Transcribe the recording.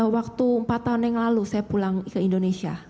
waktu empat tahun yang lalu saya pulang ke indonesia